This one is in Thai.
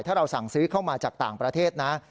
ถ้าเราสั่งซื้อเข้ามาจากต่างประเทศนะ